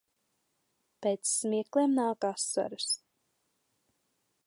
Pēc smiekliem nāk asaras.